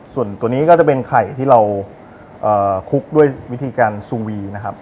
ส่วนตัวนี้ก็จะเป็นไข่ที่เราคลุกด้วยวิธีการซูวีนะครับ